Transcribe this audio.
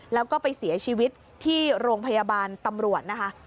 แล้วก็ไปเสียชีวิตที่โรงพยาบาลตำรวจนะคะ